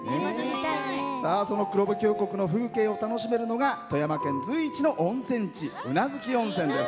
その黒部峡谷の風景を楽しめるのが富山県随一の温泉地宇奈月温泉です。